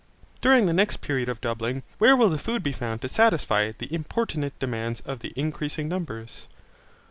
During the next period of doubling, where will the food be found to satisfy the importunate demands of the increasing numbers?